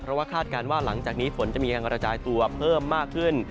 เพราะว่าคาดการณ์ว่าหลังจากนี้ฝนจะมีการกระจายตัวเพิ่มมากขึ้น